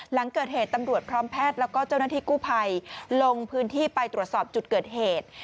หลังเกิดเหตุตำรวจพร้อมแพทย์แล้วก็เจ้าหน้าที่กู้ภัยลงพื้นที่ไปตรวจสอบจุดเกิดเหตุ